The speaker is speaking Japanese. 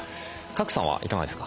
賀来さんはいかがですか？